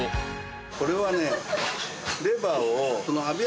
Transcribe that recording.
これはね。